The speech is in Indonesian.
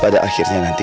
pada akhirnya nanti